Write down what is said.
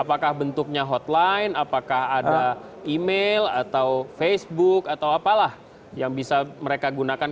apakah bentuknya hotline apakah ada email atau facebook atau apalah yang bisa mereka gunakan